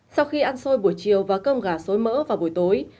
sau khi ăn xôi buổi chiều và cơm gà xối mỡ vào buổi tối